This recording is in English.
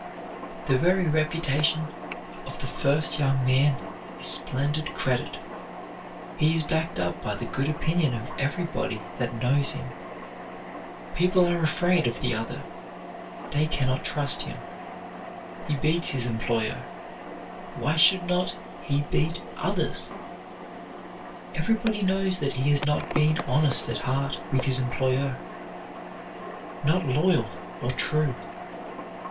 The very reputation of the first young man is splendid credit. He is backed up by the good opinion of everybody that knows him. People are afraid of the other: they can not trust him. He beat his employer, why should not he beat others? Everybody knows that he has not been honest at heart with his employer, not loyal or true.